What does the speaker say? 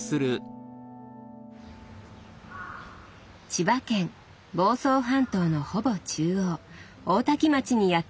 千葉県房総半島のほぼ中央大多喜町にやって来ました。